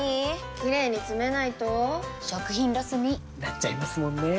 キレイにつめないと食品ロスに．．．なっちゃいますもんねー！